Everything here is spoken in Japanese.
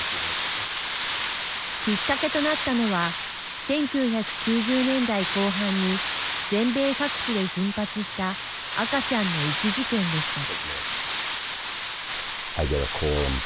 きっかけとなったのは１９９０年代後半に全米各地で頻発した赤ちゃんの遺棄事件でした。